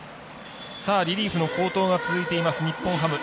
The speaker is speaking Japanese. リリーフの好投が続いています日本ハム。